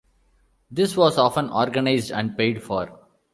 This was often organized and paid for.